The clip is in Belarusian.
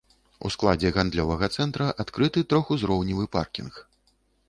У складзе гандлёвага цэнтра адкрыты трохузроўневы паркінг.